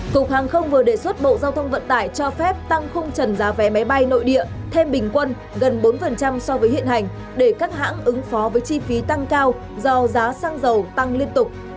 cục hàng không vừa đề xuất bộ giao thông vận tải cho phép tăng khung trần giá vé máy bay nội địa thêm bình quân gần bốn so với hiện hành để các hãng ứng phó với chi phí tăng cao do giá xăng dầu tăng liên tục